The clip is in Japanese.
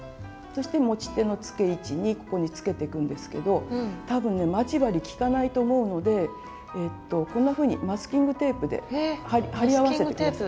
そして持ち手のつけ位置にここにつけていくんですけど多分ね待ち針きかないと思うのでこんなふうにマスキングテープで貼り合わせて下さい。